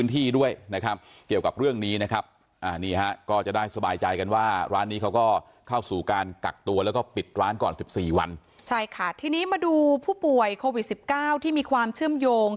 ตัวแล้วก็ปิดร้านก่อน๑๔วัน